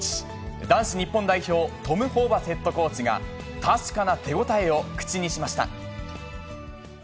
男子日本代表、トム・ホーバスヘッドコーチが、確かな手応えを口にしました。